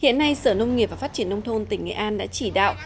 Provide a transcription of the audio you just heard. hiện nay sở nông nghiệp và phát triển nông thôn tỉnh nghệ an đã chỉ đạo